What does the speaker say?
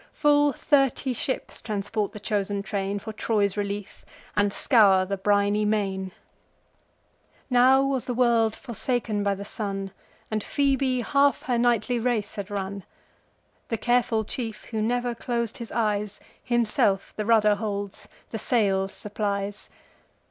Full thirty ships transport the chosen train For Troy's relief, and scour the briny main. Now was the world forsaken by the sun, And Phoebe half her nightly race had run. The careful chief, who never clos'd his eyes, Himself the rudder holds, the sails supplies.